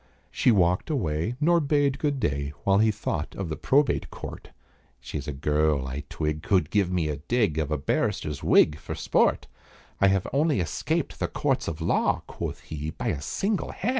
She walked away, nor bade good day, While he thought of the Probate Court. "She's a girl, I twig, could give me a dig Of a barrister's wig for sport. I have only escaped the courts of law," Quoth he, "by a single hair!"